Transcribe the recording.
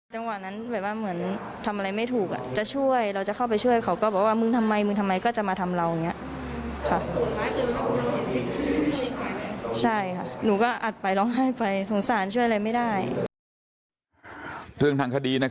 จังหวะนั้นแบบว่าเหมือนทำอะไรไม่ถูกจะช่วยเราจะเข้าไปช่วยเขาก็บอกว่ามึงทำไมมึงทำไมก็จะมาทำเราอย่างนี้ค่ะ